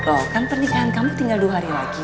oh kan pernikahan kamu tinggal dua hari lagi